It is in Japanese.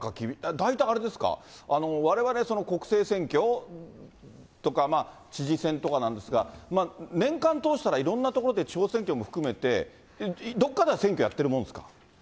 大体あれですか、われわれ国政選挙とか、知事選とかなんですが、年間通したら、いろんな所で地方選挙も含めて、どっかでは選挙やってるもんですか？